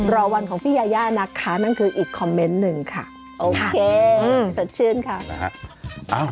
รอวันของพี่ยายานะคะนั่นคืออีกคอมเมนต์หนึ่งค่ะ